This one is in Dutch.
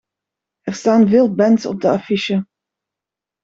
Er staan veel bands op de affiche.